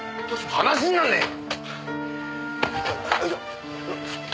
話になんねえよ！